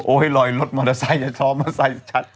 โอ้ยรอยรถมอเตอร์ไซค์ช้อมอเตอร์ไซค์ชัด